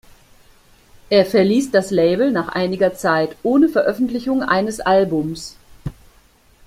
Er verließ das Label nach einiger Zeit ohne Veröffentlichung eines Albums.